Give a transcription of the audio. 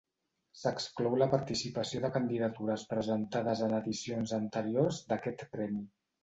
S'exclou la participació de candidatures presentades en edicions anteriors d'aquest premi.